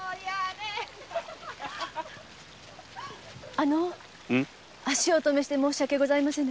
あの足をおとめして申し訳ございませぬ。